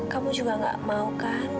kamu juga gak mau kan